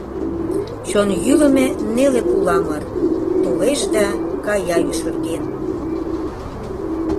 Чон йӱлымӧ неле пуламыр — Толеш да кая ӱшырген.